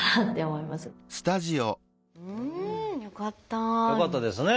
よかったですね。